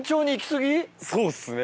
そうっすね。